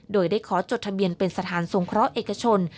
โดยได้ขอจดทะเบียนเป็นสถานสงเคราะห์เอกชน